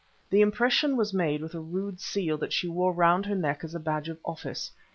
The impression was made with a rude seal that she wore round her neck as a badge of office.